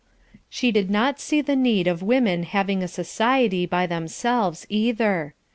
She did not see the need of women having a society by themselves either.